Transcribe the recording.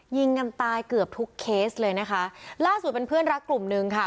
ยิงกันตายเกือบทุกเคสเลยนะคะล่าสุดเป็นเพื่อนรักกลุ่มหนึ่งค่ะ